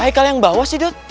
haikal yang bawa sih dodot